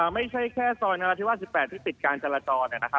ไม่ใช่แค่ซอยนรที่วาด๑๘ที่ปิดการจราจรเนี่ยนะครับ